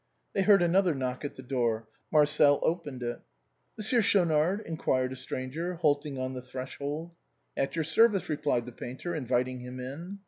They heard another knock at the door. Marcel opened it. " Monsieur Schaunard ?" inquired a stranger, halting on the threshold. " At your service," replied the painter, inviting him in.